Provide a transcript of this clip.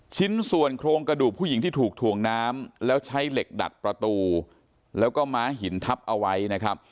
ชิ้นส่วนโครงกระดูกผู้หญิงที่ถูกถ่วงน้ำแล้วใช้เหล็กดัดประตูแล้วก็ม้าหินทับเอาไว้นะครับ